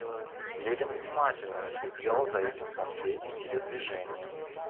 Левин внимательно следил за этим последним ее движением.